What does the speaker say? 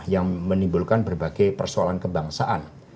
yang menimbulkan berbagai persoalan kebangsaan